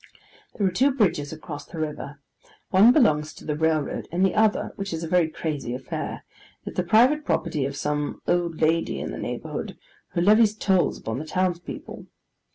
There are two bridges across the river: one belongs to the railroad, and the other, which is a very crazy affair, is the private property of some old lady in the neighbourhood, who levies tolls upon the townspeople.